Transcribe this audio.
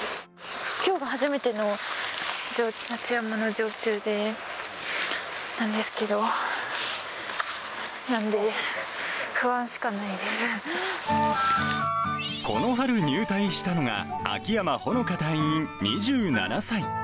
きょうが初めての夏山の常駐で、なんですけど、なんで、不安しかこの春入隊したのが、秋山穂乃果隊員２７歳。